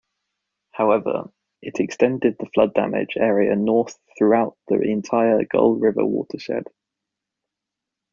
However, it extended the flood damage area north throughout the entire Gull River Watershed.